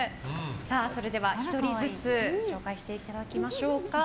それでは１人ずつ紹介していただきましょう。